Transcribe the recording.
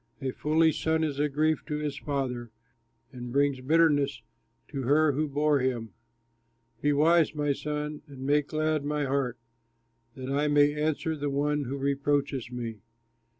A foolish son is a grief to his father, And brings bitterness to her who bore him. Be wise, my son, and make glad my heart, That I may answer the one who reproaches me.